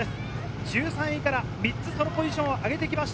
１３位から３つポジションを上げました。